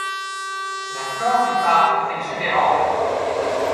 La flore du parc est exubérante.